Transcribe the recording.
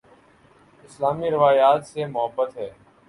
اسلامی روایات سے محبت ہے